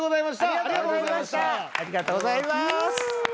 ありがとうございます。